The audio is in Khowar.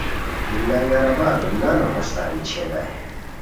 لنگرآبادو نان ہوستہ ویڅھیتائے